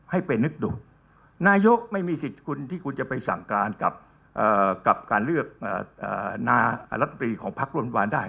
ให้ไปนึกดูนายกไม่มีสิทธิ์คุณที่คุณจะไปสั่งการกับการเลือกนายรัฐมนตรีของพักร่วมรัฐบาลได้